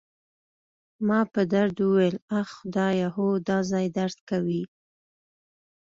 ما په درد وویل: اخ، خدایه، هو، دا ځای درد کوي.